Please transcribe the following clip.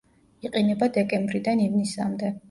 იყინება დეკემბრიდან ივნისამდე.